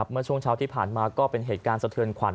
เมื่อช่วงเช้าที่ผ่านมาก็เป็นเหตุการณ์สะเทือนขวัญ